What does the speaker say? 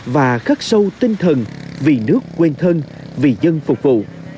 và khắc sâu tinh thần vì nước quên thân vì dân phục vụ